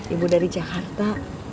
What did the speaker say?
ibu dari jakarta